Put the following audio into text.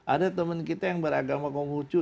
ada teman kita yang beragama konghucu